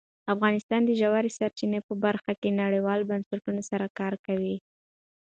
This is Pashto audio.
افغانستان د ژورې سرچینې په برخه کې نړیوالو بنسټونو سره کار کوي.